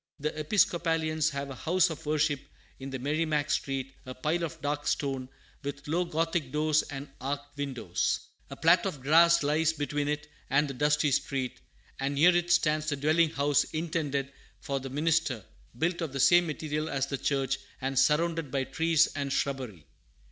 The Episcopalians have a house of worship on Merrimac Street, a pile of dark stone, with low Gothic doors and arched windows. A plat of grass lies between it and the dusty street; and near it stands the dwelling house intended for the minister, built of the same material as the church and surrounded by trees and shrubbery.